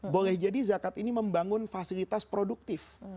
boleh jadi zakat ini membangun fasilitas produktif